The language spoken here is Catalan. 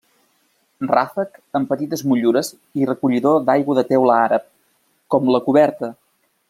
Ràfec amb petites motllures i recollidor d'aigua de teula àrab, com la coberta.